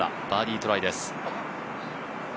バーディートライです。